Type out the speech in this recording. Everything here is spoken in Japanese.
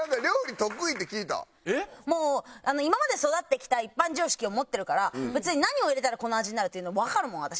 もう今まで育ってきた一般常識を持ってるから別に何を入れたらこの味になるっていうのわかるもん私。